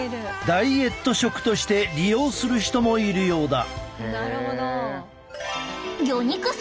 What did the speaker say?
ダイエット食として利用する人もいるようだ。